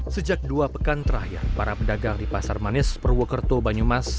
sejak dua pekan terakhir para pedagang di pasar manis purwokerto banyumas